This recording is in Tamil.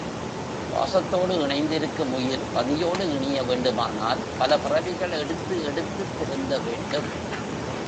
பாசத்தோடு இணைந்திருக்கும் உயிர் பதியோடு இணைய வேண்டுமானால் பல பிறவிகள் எடுத்து எடுத்துத் திருந்த வேண்டும்.